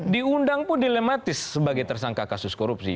diundang pun dilematis sebagai tersangka kasus korupsi